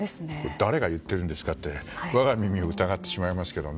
誰が言ってるんですかってわが耳を疑ってしまいますけど。